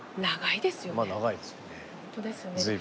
長いですよね。